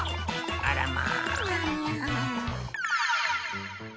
あらま。